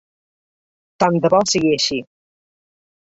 Tant de bo sigui així!